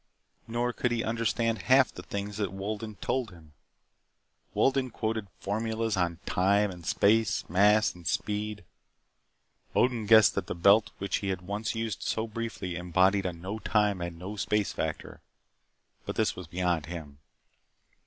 Nor could he understand half the things that Wolden told him. Wolden quoted formulas on time and space, mass and speed. Odin guessed that the belt which he had once used so briefly embodied a No Time and No Space factor. But this was beyond him.